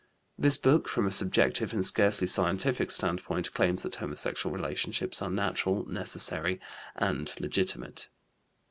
This book, from a subjective and scarcely scientific standpoint, claims that homosexual relationships are natural, necessary, and legitimate.